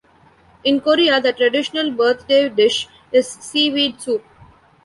In Korea, the traditional birthday dish is seaweed soup.